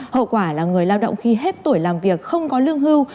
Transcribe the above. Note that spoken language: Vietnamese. hậu quả là người lao động khi hết tuổi làm việc không có lương hưu